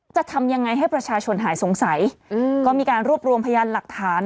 จะทำยังไงให้ประชาชนหายสงสัยก็มีการรวบรวมพยานหลักฐาน